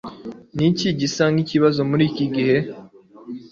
Niki gisa nikibazo muri iki gihe